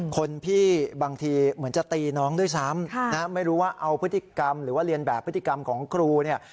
คนพี่บางทีเหมือนจะตีน้องด้วยซ้ำไม่รู้ว่าเอาพฤติกรรมหรือว่าเรียนแบบพฤติกรรมของครูเนี่ย